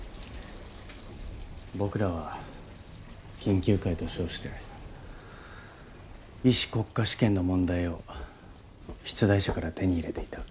僕らは研究会と称して医師国家試験の問題を出題者から手に入れていた。